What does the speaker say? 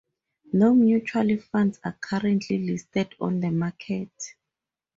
No mutual funds are currently listed on the market.